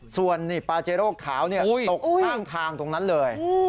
ส่วนปาเจโร่ขาวตกข้างทางตรงนั้นเลย